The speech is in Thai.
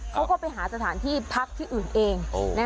เขาก็ไปหาสถานที่พักที่อื่นเอง